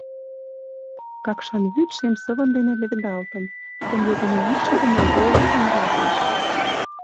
Какшан вӱд шем сывын дене леведалтын, тудын йогымо йӱкшӧ гына гож-ж-ж муралтеш.